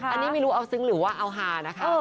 อันนี้ไม่รู้เอาซึ้งหรือว่าเอาหานะคะ